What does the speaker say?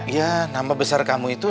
ya nama besar kamu itu